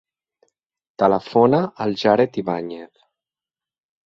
Telefona al Jared Ibañez.